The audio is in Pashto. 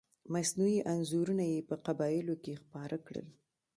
مصنوعي انځورونه یې په قبایلو کې خپاره کړل.